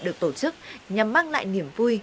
được tổ chức nhằm mang lại niềm vui